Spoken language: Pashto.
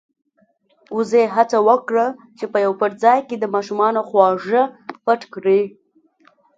وزې هڅه وکړه چې په يو پټ ځای کې د ماشومانو خواږه پټ کړي.